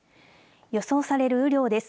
予想される雨量です。